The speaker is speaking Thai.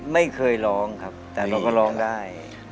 ไม่เคยร้องครับร้องได้